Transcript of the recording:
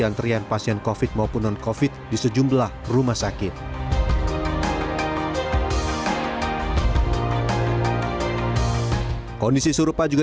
antrian pasien covid maupun non covid di sejumlah rumah sakit kondisi serupa juga